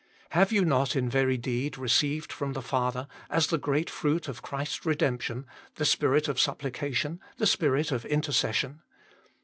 Have you not in very deed received from the Father, as the great fruit of Christ s redemption, the Spirit of supplication, the Spirit of intercession